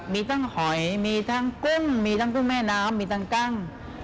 มีทั้งหอยมีทั้งกุ้งมีทั้งกุ้งแม่น้ำมีทั้งกั้ง